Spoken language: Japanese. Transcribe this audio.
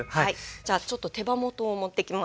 じゃあちょっと手羽元を持ってきます。